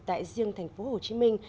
tại riêng thành phố hồ chí minh